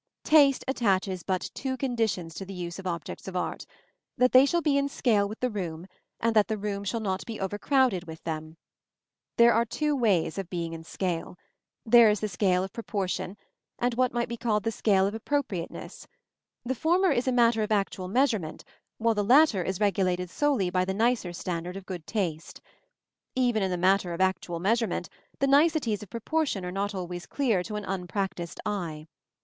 Taste attaches but two conditions to the use of objects of art: that they shall be in scale with the room, and that the room shall not be overcrowded with them. There are two ways of being in scale: there is the scale of proportion, and what might be called the scale of appropriateness. The former is a matter of actual measurement, while the latter is regulated solely by the nicer standard of good taste. Even in the matter of actual measurement, the niceties of proportion are not always clear to an unpractised eye.